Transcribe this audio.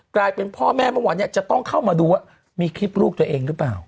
กลายเป็นพ่อแม่เมื่อวานเนี่ยจะต้องเข้ามาดูว่ามีคลิปลูกตัวเองหรือเปล่า